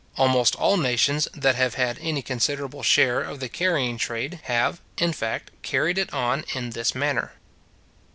Almost all nations that have had any considerable share of the carrying trade have, in fact, carried it on in this manner.